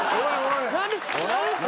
何ですか？